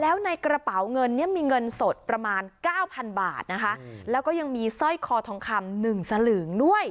แล้วในกระเป๋าเงินเนี้ยมีเงินสดประมาณเก้าพันบาทนะคะแล้วก็ยังมีสร้อยคอทองคำหนึ่งสลึงด้วย